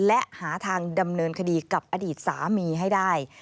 และหาทางดำเนินคดีกับอดีตสามีให้ได้